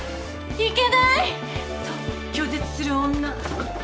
「いけない！」と拒絶する女。